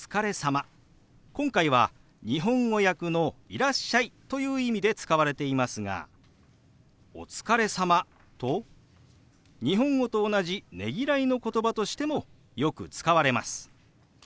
今回は日本語訳の「いらっしゃい」という意味で使われていますが「お疲れ様」と日本語と同じねぎらいのことばとしてもよく使われます。